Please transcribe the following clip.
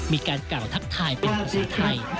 มีการกล่าวทักทายเป็นภาษาไทย